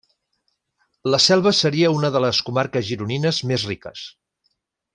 La Selva seria una de les comarques Gironines més riques.